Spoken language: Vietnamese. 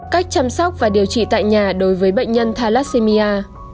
cách chăm sóc và điều trị tại nhà đối với bệnh nhân thalassemia